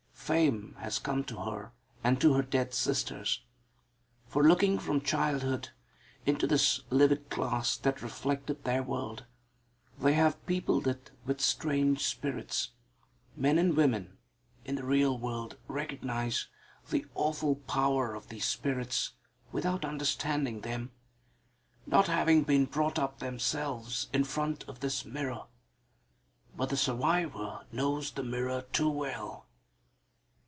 Fame has come to her and to her dead sisters. For looking from childhood into this livid glass that reflected their world, they have peopled it with strange spirits. Men and women in the real world recognise the awful power of these spirits, without understanding them, not having been brought up themselves in front of this mirror. But the survivor knows the mirror too well.